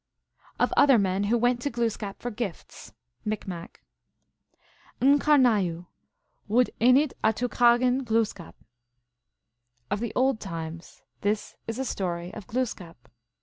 Of other Men who ivent to Gloosliap for Gifts. (Micmac.) N karnayoo: wood enit atokliagcn Glooskap. Of the old times : this is a story of Glooskap.